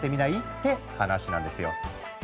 って話なんですよ。